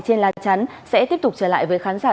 trên lá chắn sẽ tiếp tục trở lại với khán giả